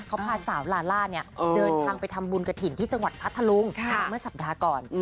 เขาพาสาวลาล่าเนี่ยเดินทางไปทำบุญกระถิ่นที่จังหวัดพัทธลุงเมื่อสัปดาห์ก่อน